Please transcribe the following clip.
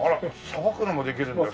さばくのもできるんだ。